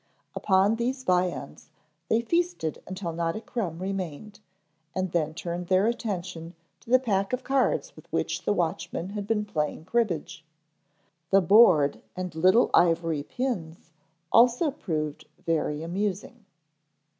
Upon these viands they feasted until not a crumb remained and then turned their attention to the pack of cards with which the watchmen had been playing cribbage. The board and little ivory pins also proved very amusing.